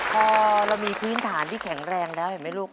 พอเรามีพื้นฐานที่แข็งแรงแล้วเห็นไหมลูก